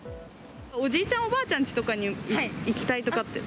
おじいちゃん、おばあちゃんちとかに行きたいとかって？